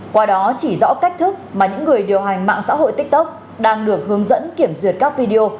qua đó chỉ rõ cách thức mà những người điều hành mạng xã hội tiktok đang được hướng dẫn kiểm duyệt các video